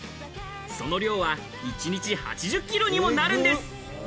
その量は一日８０キロにもなるんです。